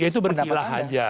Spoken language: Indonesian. ya itu berkilah aja